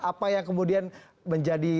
apa yang kemudian menjadi